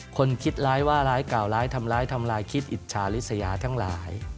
คนคิดร้ายว่าร้ายกล่าร้ายทำร้ายทำลายคิดอิจฉาริสยาทั้งหลาย